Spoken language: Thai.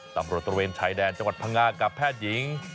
ตระเวนชายแดนจังหวัดพังงากับแพทย์หญิง